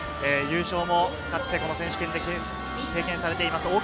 優勝も、かつてこの選手権で経験されています